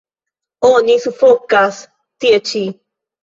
Oni sufokas tie ĉi.